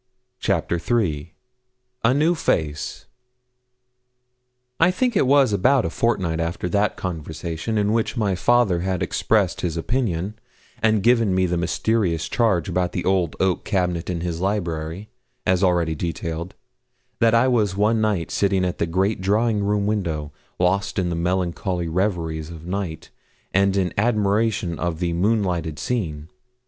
CHAPTER III A NEW FACE I think it was about a fortnight after that conversation in which my father had expressed his opinion, and given me the mysterious charge about the old oak cabinet in his library, as already detailed, that I was one night sitting at the great drawing room window, lost in the melancholy reveries of night, and in admiration of the moonlighted scene.